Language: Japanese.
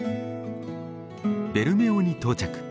ベルメオに到着。